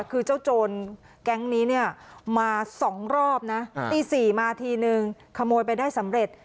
คือเจ้าโจรแก๊งนี้เนี่ยมา๒รอบนะตี๔มาทีนึงขโมยไปได้สำเร็จ